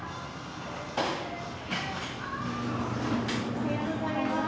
おはようございます。